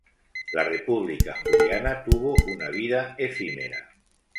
La República Juliana tuvo una vida efímera.